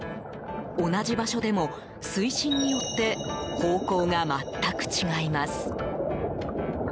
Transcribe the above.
同じ場所でも水深によって方向が全く違います。